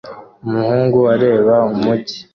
Umuhungu areba umujyi